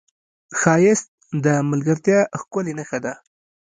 ښایست د ملګرتیا ښکلې نښه ده